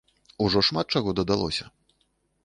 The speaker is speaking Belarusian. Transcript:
Ужо шмат чаго дадалося.